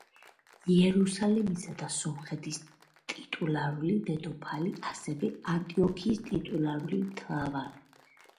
იერუსალიმისა და სომხეთის ტიტულარული დედოფალი, ასევე ანტიოქიის ტიტულარული მთავარი.